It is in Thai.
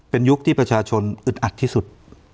เป็นยุคที่ประชาชนอึดอัดที่สุด